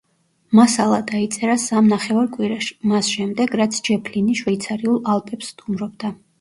მასალა დაიწერა სამ ნახევარ კვირაში, მას შემდეგ, რაც ჯეფ ლინი შვეიცარიულ ალპებს სტუმრობდა.